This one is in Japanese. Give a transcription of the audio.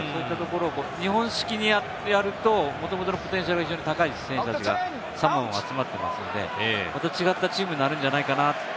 日本式にやると、もともとのポテンシャルは非常に高い選手たちがサモアも集まっていますので、また違ったチームになるんじゃないかなって